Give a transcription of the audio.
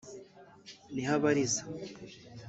naho abariza